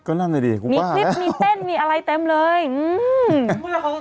ก็นั่นสิดีมีมีมีเต้นมีอะไรเต็มเลยอืม